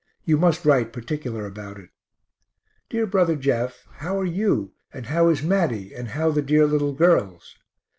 You must write particular about it. Dear brother Jeff, how are you, and how is Matty, and how the dear little girls?